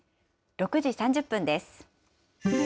６時３０分です。